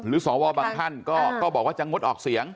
สวบางท่านก็บอกว่าจะงดออกเสียง